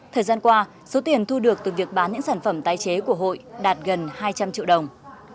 thời gian qua số tiền thu được từ việc bán những sản phẩm tái chế của hội đạt gần hai trăm linh triệu đồng